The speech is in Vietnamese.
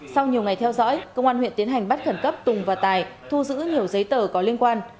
sau nhiều ngày theo dõi công an huyện tiến hành bắt khẩn cấp tùng và tài thu giữ nhiều giấy tờ có liên quan